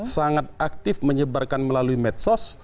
sangat aktif menyebarkan melalui medsos